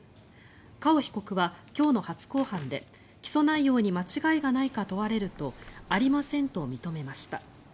カオ被告は今日の初公判で起訴内容に間違いがないか問われるとありませんと認めました。